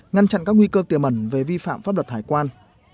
ngăn chặn các nguy cơ tiềm ẩn về vi phạm pháp luật hải quan